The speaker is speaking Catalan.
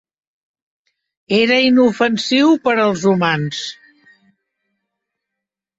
Era inofensiu per als humans.